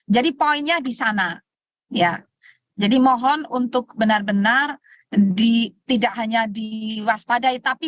jadi poinnya di sana ya jadi mohon untuk benar benar di tidak hanya diwaspadai tapi